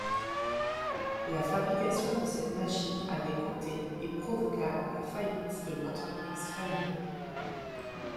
La fabrication de cette machine avait coûté et provoqua la faillite de l'entreprise familiale.